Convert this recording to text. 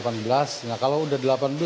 nah kalau udah delapan belas